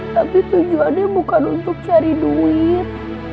tapi tujuannya bukan untuk cari duit